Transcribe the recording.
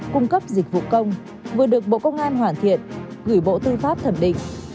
cung cấp dịch vụ công vừa được bộ công an hoàn thiện gửi bộ tư pháp thẩm định